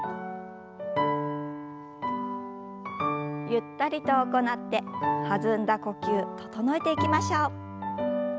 ゆったりと行って弾んだ呼吸整えていきましょう。